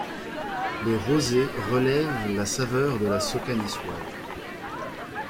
Les rosés relèvent la saveur de la socca niçoise.